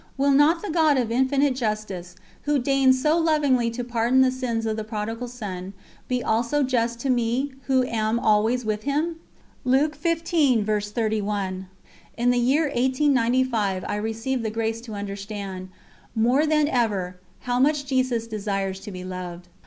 Will not the God of Infinite Justice, Who deigns so lovingly to pardon the sins of the Prodigal Son, be also just to me "who am always with Him"? In the year 1895 I received the grace to understand, more than ever, how much Jesus desires to be loved.